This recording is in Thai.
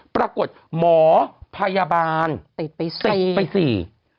ปรากฏหมอพยาบาลติดไปสี่ติดไปสี่